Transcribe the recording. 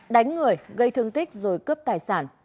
đánh người gây thương tích rồi cướp tài sản